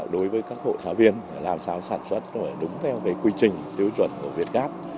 đối với các hộ sản xuất làm sao sản xuất đúng theo quy trình tiêu chuẩn của việt gáp